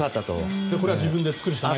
これは自分で作るしかないと。